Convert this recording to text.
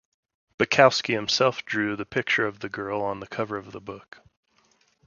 Bukowski himself drew the picture of the girl on the cover of the book.